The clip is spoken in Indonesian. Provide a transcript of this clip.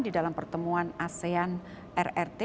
di dalam pertemuan asean rrt